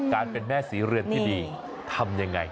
การเป็นแม่ศรีเรือนที่ดีทำยังไง